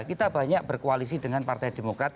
kita banyak berkoalisi dengan partai demokrat